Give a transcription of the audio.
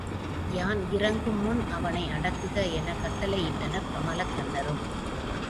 யான் இரங்குமுன் அவனை அடக்குக. எனக் கட்டளை யிட்டனர் கமலக் கண்ணரும்.